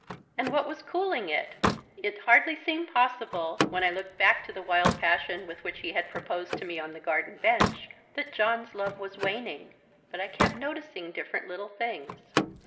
And what was cooling it? It hardly seemed possible, when I looked back to the wild passion with which he had proposed to me on the garden bench, that John's love was waning. But I kept noticing different little things.